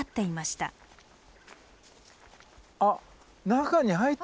あっ。